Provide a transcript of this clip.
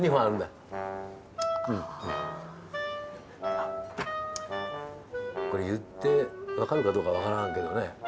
あっこれ言って分かるかどうか分からんけどね